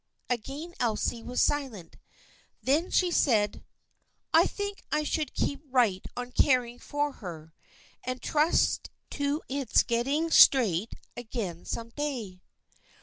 Again Elsie was silent. Then she said :" I think I should keep right on caring for her, and trust to its getting straight again some day.